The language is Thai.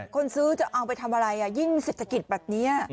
คนซื้อจะเอาไปทำอะไรยิ่งเศรษฐกิจแบบนี้